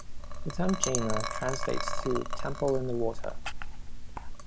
The term "Jaina" translates to "Temple in the Water".